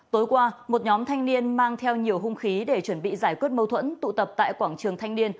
tối qua một nhóm thanh niên mang theo nhiều hung khí để chuẩn bị giải quyết mâu thuẫn tụ tập tại quảng trường thanh niên